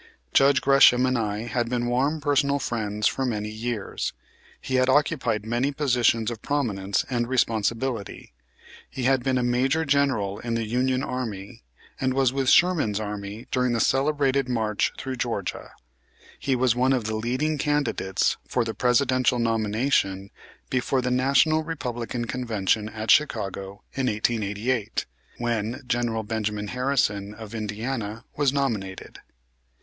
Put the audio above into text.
Judge Gresham and I had been warm personal friends for many years. He had occupied many positions of prominence and responsibility. He had been a major general in the Union army, and was with Sherman's army during that celebrated March through Georgia. He was one of the leading candidates for the Presidential nomination before the National Republican Convention at Chicago in 1888, when General Benjamin Harrison, of Indiana, was nominated.